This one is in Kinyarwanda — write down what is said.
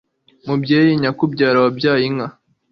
mubyeyi nyakubyara wabyaje inka